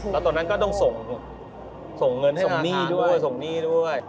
แล้วตอนนั้นก็ต้องส่งเงินให้อาคารส่งหนี้ด้วย